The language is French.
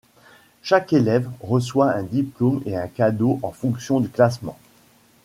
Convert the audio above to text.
Chaque élève reçoit un diplôme et un cadeau en fonction du classement.